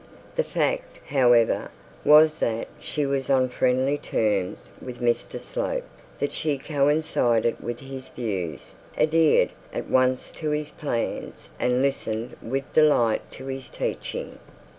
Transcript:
The fact, however, was that she was on friendly terms with Mr Slope, that she coincided with his views, adhered at once to his plans, and listened with delight to his teaching.